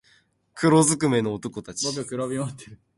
黒づくめの男たち